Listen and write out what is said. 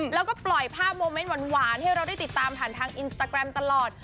แล้วก็ปล่อยภาพโมเมนต์หวานให้เราได้ติดตามผ่านทางอินสตาแกรมตลอด